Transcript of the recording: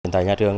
tại nhà trường